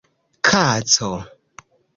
Kaco.